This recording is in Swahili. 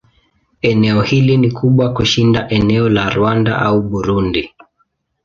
Eneo hili ni kubwa kushinda eneo la Rwanda au Burundi.